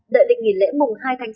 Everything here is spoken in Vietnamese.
đợi định nghỉ lễ mùng hai tháng chín